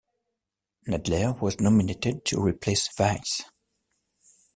Nadler was nominated to replace Weiss.